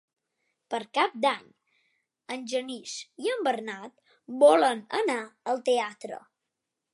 Per Cap d'Any en Genís i en Bernat volen anar al teatre.